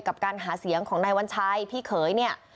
กับการหาเสียงของนายวัญชัยพี่เขยเนี่ย